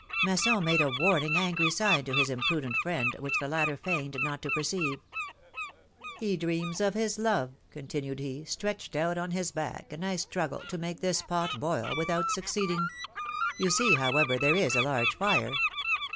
Masson made a warning, angry sign to his imprudent friend, whicli the latter feigned not to perceive. 'Mle dreams of his love," continued he, stretched out on his back, and I struggle to make this pot boil, without succeeding. You see, however, there is a large fire!"